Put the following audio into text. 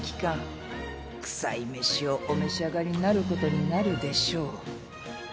臭い飯をお召し上がりになることになるでしょう。